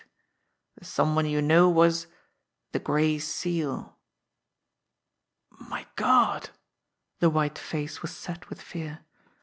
"The some one you know was the Gray Seal." "My God!" The white face was set with fear.